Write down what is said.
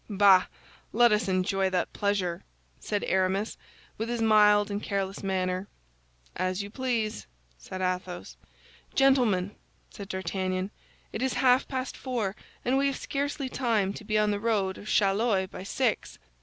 "Bah, let us enjoy that pleasure," said Aramis, with his mild and careless manner. "As you please," said Athos. "Gentlemen," said D'Artagnan, "it is half past four, and we have scarcely time to be on the road of Chaillot by six."